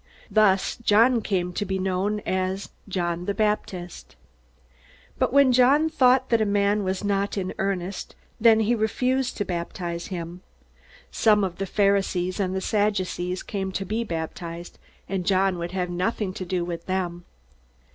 Thus John came to be known as "John the Baptist." But when John thought that a man was not in earnest, then he refused to baptize him. Some of the Pharisees and the Sadducees came to be baptized, and John would have nothing to do with them.